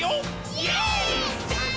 イエーイ！！